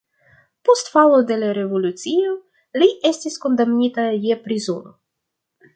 Post falo de la revolucio li estis kondamnita je prizono.